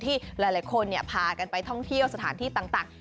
ที่หลายคนพากันไปท่องเที่ยวสถานที่ต่าง